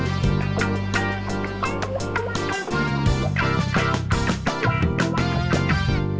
ini soal harga diri